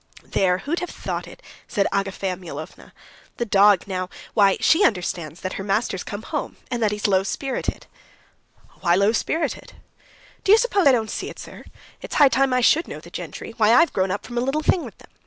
"There, who'd have thought it?" said Agafea Mihalovna. "The dog now ... why, she understands that her master's come home, and that he's low spirited." "Why low spirited?" "Do you suppose I don't see it, sir? It's high time I should know the gentry. Why, I've grown up from a little thing with them.